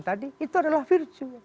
tadi itu adalah virtual